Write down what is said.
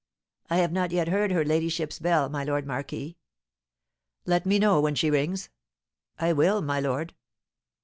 "I have not yet heard her ladyship's bell, my lord marquis." "Let me know when she rings." "I will, my lord."